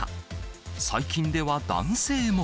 最近では男性も。